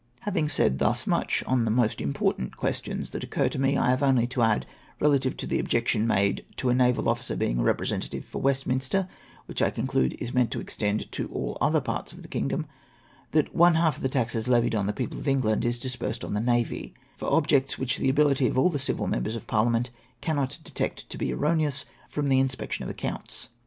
" Having said thus much on the most important c[uestion8 that occur to me, I have only to add, relative to the objection made to a naval officer being a representative for Westminster (which I conclude is meant to extend to all other parts of the kingdom) that one half of the taxes levied on the people of England is disbursed on the navy — for objects which the ability of all the civil members of Parliament cannot detect to be erroneous from the inspection of accounts.